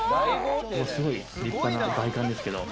すごい立派な外観ですけど。